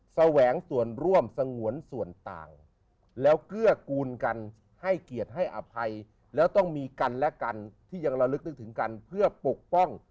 แสวงส่วนร่วมสงวนส่วนต่าง